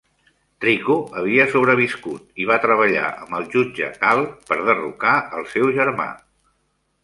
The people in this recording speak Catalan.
Rico havia sobreviscut i va treballar amb el Jutge Cal per derrocar el seu germà.